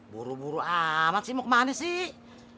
buru buru amat sih mau kemana sih